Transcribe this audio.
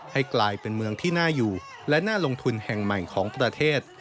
ให้กลายเป็นเมืองที่น่าอยู่และน่าลงทุนแห่งใหม่ของประเทศ